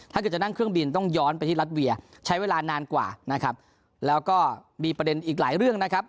จะนั่งเครื่องบินต้องย้อนไปที่รัฐเวียใช้เวลานานกว่านะครับแล้วก็มีประเด็นอีกหลายเรื่องนะครับ